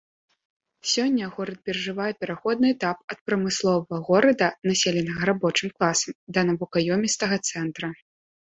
Сёння горад перажывае пераходны этап ад прамысловага горада, населенага рабочым класам, да навукаёмістага цэнтра.